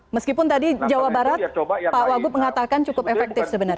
meskipun tadi jawa barat pak wagub mengatakan cukup efektif sebenarnya